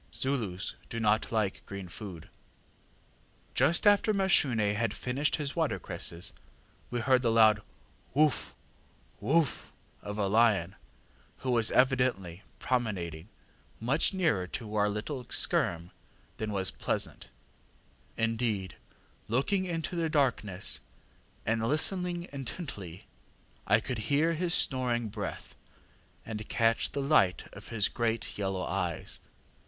Zulus do not like green food. ŌĆ£Just after Mashune had finished his watercress, we heard the loud ŌĆśwoof! woof! ŌĆÖ of a lion, who was evidently promenading much nearer to our little skerm than was pleasant. Indeed, on looking into the darkness and listening intently, I could hear his snoring breath, and catch the light of his great yellow eyes.